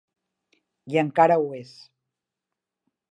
I encara ho és.